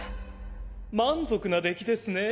満足な出来ですねえ。